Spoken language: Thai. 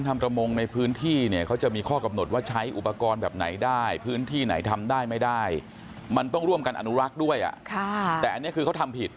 แต่อันนี้คือเขาทำผิด